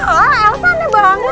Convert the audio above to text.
oh elsa aneh banget